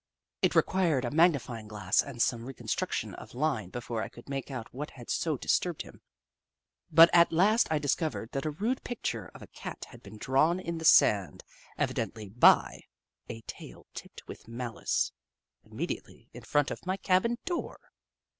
It required a magnifying glass and some reconstruction of line before I could make out what had so disturbed him, but at last I discovered that a rude picture of a Cat had been drawn in the sand, evidently by a tail tipped with malice, immediately in front of my cabin door